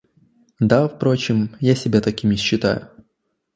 Да, впрочем, я себя таким и считаю.